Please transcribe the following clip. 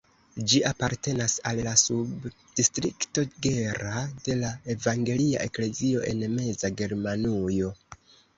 Ĝi apartenas al la subdistrikto Gera de la Evangelia Eklezio en Meza Germanujo.